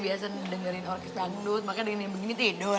dia biasa dengerin orkis bangdut makanya dengan yang begini tidur